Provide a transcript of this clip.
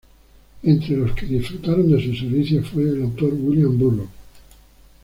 Entre los que disfrutaron de sus servicios fue el autor William Burroughs.